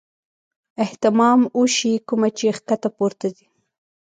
اهتمام اوشي کومه چې ښکته پورته ځي -